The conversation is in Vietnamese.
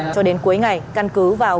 cho đến cuối ngày căn cứ vào